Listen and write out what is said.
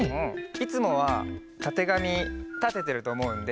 いつもはたてがみたててるとおもうので。